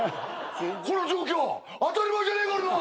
「この状況当たり前じゃねえからな！」ＯＫ！